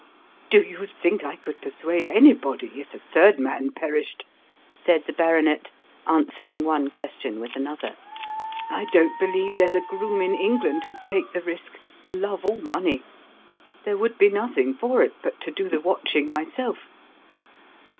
"Do you think I could persuade anybody if a third man perished?" said the baronet, answering one question with another. "I don't believe there's a groom in England who'd take the risk for love or money. There would be nothing for it but to do the watching myself.